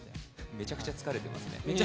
めちゃくちゃ疲れてますね。